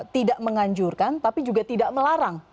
tidak menganjurkan tapi juga tidak melarang